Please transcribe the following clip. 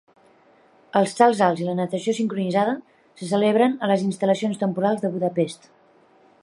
Els salts alts i la natació sincronitzada se celebren a les instal·lacions temporals de Budapest.